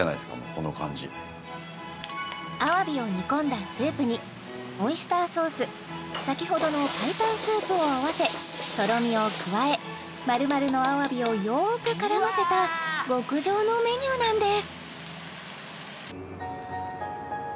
この感じ鮑を煮込んだスープにオイスターソース先ほどの白湯スープを合わせとろみを加え丸々の鮑をよーく絡ませた極上のメニューなんです